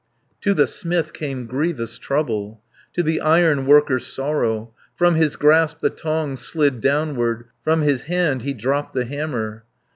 To the smith came grievous trouble. To the iron worker sorrow. From his grasp the tongs slid downward, From his hand he dropped the hammer.